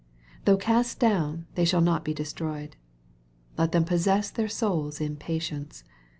Though cast down, they shall not be destroyed. Let them possess their souls in patience.